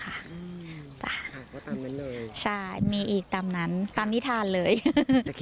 ค่ะตามนั้นเลยใช่มีอีกตามนั้นตามนิทานเลยค่ะค่ะค่ะค่ะค่ะค่ะ